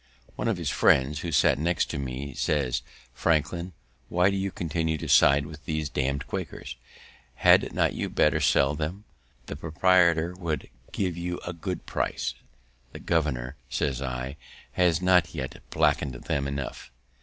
One of his friends, who sat next to me, says, "Franklin, why do you continue to side with these damn'd Quakers? Had not you better sell them? The proprietor would give you a good price." "The governor," says I, "has not yet blacked them enough."